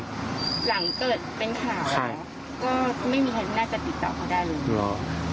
หลังเกิดเป็นข่าวก็ไม่มีใครน่าจะติดต่อเขาได้เลย